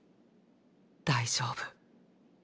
大丈夫。